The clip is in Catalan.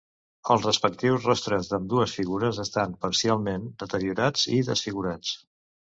Els respectius rostres d'ambdues figures estan parcialment deteriorats i desfigurats.